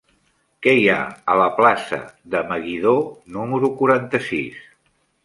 Què hi ha a la plaça de Meguidó número quaranta-sis?